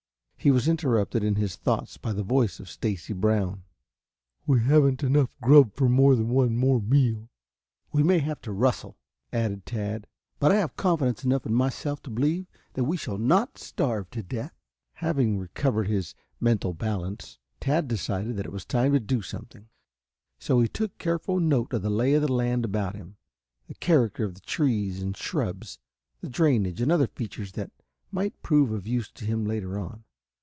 He was interrupted in his thoughts by the voice of Stacy Brown. "We haven't enough grub for more than one more meal." "We may have to rustle," added Tad, "but I have confidence enough in myself to believe that we shall not starve to death." Having recovered his mental balance, Tad decided that it was time to do something, so he took careful note of the lay of the land about him, the character of the trees and shrubs, the drainage, and other features that might prove of use to him later on.